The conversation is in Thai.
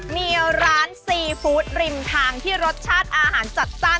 มีร้านซีฟู้ดริมทางที่รสชาติอาหารจัดจ้าน